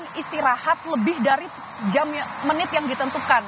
kemudian istirahat lebih dari jam menit yang ditentukan